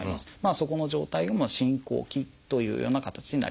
そこの状態が進行期というような形になります。